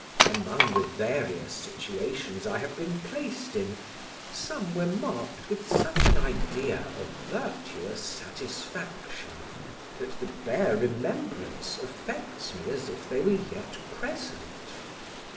Among the various situations I have been placed in, some were marked with such an idea of virtuous satisfaction, that the bare remembrance affects me as if they were yet present.